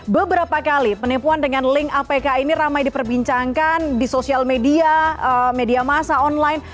beberapa kali penipuan dengan link apk ini ramai diperbincangkan di sosial media media masa online